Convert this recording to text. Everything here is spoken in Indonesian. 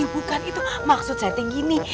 bukan itu maksud saya yang gini